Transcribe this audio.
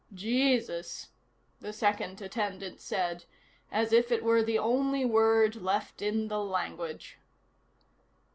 "Jesus," the second attendant said, as if it were the only word left in the language.